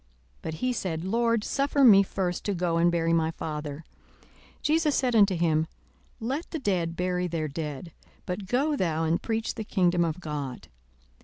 But he said, Lord, suffer me first to go and bury my father. 42:009:060 Jesus said unto him, Let the dead bury their dead: but go thou and preach the kingdom of God.